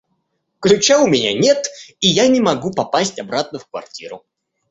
Ключа у меня нет, и я не могу попасть обратно в квартиру.